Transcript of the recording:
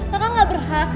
kaka gak berhak